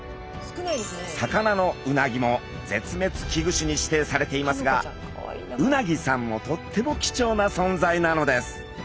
魚のうなぎも絶滅危惧種に指定されていますが鰻さんもとっても貴重な存在なのです。